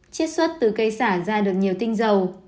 chiết xuất từ cây xả ra được nhiều tinh dầu